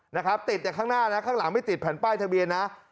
นะครับติดจากข้างหน้านะข้างหลังไม่ติดแผ่นป้ายทะเบียนนะ